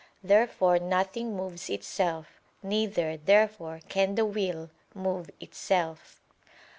Therefore nothing moves itself. Neither, therefore, can the will move itself.